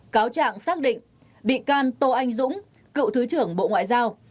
cáo trạng xác định bị can tô anh dũng cựu thứ trưởng bộ ngoại giao